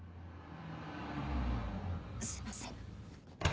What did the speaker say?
すいません。